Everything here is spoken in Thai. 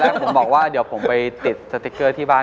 แต่ตอนแรกผมบอกว่าเดี๋ยวไปติดสติ้งเกอร์ที่บ้าน